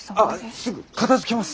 すぐ片づけます。